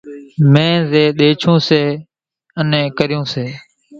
مين زين ۮيڇون سي انين ڪريون سي۔